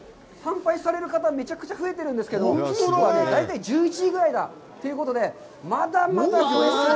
参拝される方、めちゃくちゃ増えているんですけど、大体１１時ぐらいがということで、まだまだ。